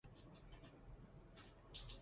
范氏姮是嘉定省新和县新年东村出生。